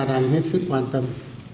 đang hết sức quan tâm